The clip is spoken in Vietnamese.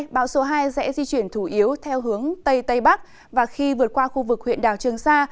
bão số hai sẽ di chuyển chủ yếu theo hướng tây tây bắc và khi vượt qua khu vực huyện đảo trường sa